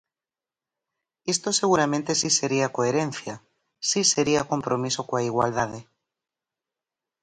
Isto seguramente si sería coherencia, si sería compromiso coa igualdade.